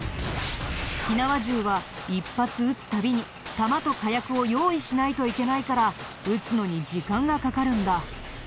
火縄銃は一発撃つ度に弾と火薬を用意しないといけないから撃つのに時間がかかるんだ。